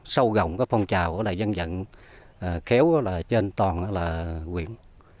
sâu gọng phong trào dân dận khéo trên toàn quyền